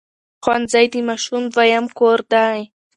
ښوونځی د ماشوم دویم کور دی.